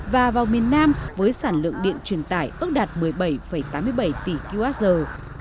và vào miền nam với sản lượng điện truyền tải ước đạt một mươi bảy tám mươi bảy tỷ kwh